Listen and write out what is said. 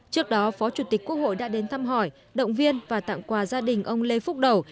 trước đó phó chủ tịch quốc hội đã đến thăm hỏi động viên và tặng quà gia đình ông lê phúc đầu